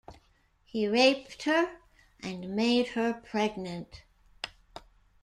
He raped her, and made her pregnant.